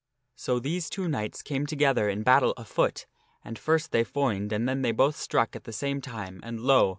So these two knights came together in battle afoot, and first they foined and then they both struck at the same time and, lo